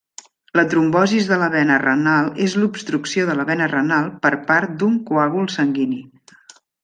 La trombosis de la vena renal és l'obstrucció de la vena renal per part d'un coàgul sanguini.